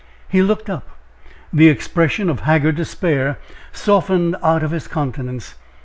He looked up. The expression of haggard despair softened out of his countenance.